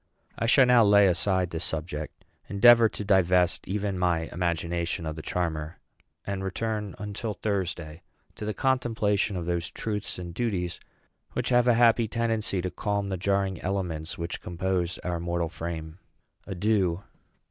I shall now lay aside this subject; endeavor to divest even my imagination of the charmer; and return, until Thursday, to the contemplation of those truths and duties which have a happy tendency to calm the jarring elements which compose our mortal frame. Adieu.